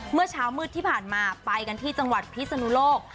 เมื่อเช้ามืดที่ผ่านมาไปกันที่จังหวัดพิศนุโลก